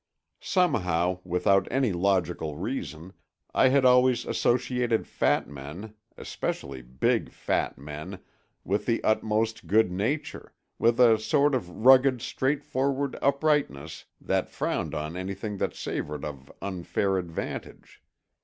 Somehow, without any logical reason, I had always associated fat men, especially big, fat men, with the utmost good nature, with a sort of rugged straightforward uprightness that frowned on anything that savored of unfair advantage.